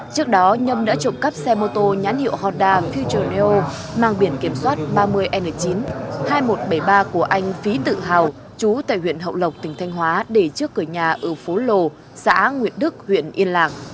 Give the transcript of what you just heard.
trước đó nhâm đã trộm cắp xe mô tô nhãn hiệu honda futerreal mang biển kiểm soát ba mươi n chín hai nghìn một trăm bảy mươi ba của anh phí tự hào chú tại huyện hậu lộc tỉnh thanh hóa để trước cửa nhà ở phố lồ xã nguyệt đức huyện yên lạc